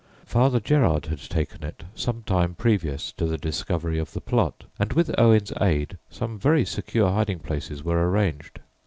Father Gerard had taken it some time previous to the discovery of the Plot, and with Owen's aid some very secure hiding places were arranged.